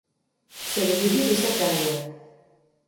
C'est le début de sa carrière.